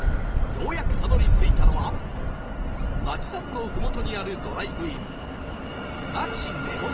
ようやくたどり着いたのは那智山のふもとにあるドライブイン